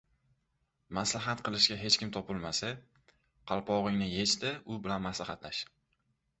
• Maslahat qilishga hech kim topilmasa, qalpog‘ingni yech-da, u bilan maslahatlash.